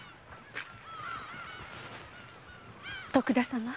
徳田様